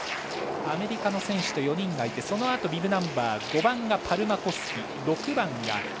アメリカの選手と４人がいてそのあとビブナンバー５番がパルマコスキ。